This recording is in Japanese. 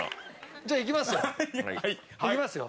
じゃあいきますよ。